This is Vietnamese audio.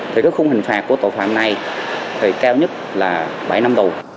thì cái khung hình phạt của tội phạm này thì cao nhất là bảy năm tù